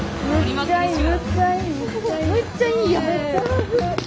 めっちゃいいやん！